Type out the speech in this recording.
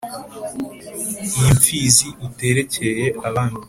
Iyi Mfizi uterekeye Abami